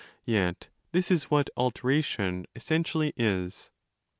Yet this is what 'alteration' essentially is.